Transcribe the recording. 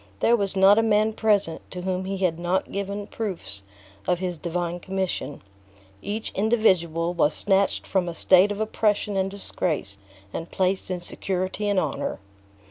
There was not a man present to whom he had not given proofs of his divine commission; each individual was snatched from a state of oppression and disgrace, and placed in security and honor.